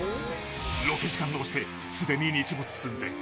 ロケ時間が押して、既に日没寸前。